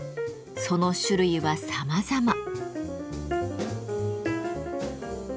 その種類はさまざま。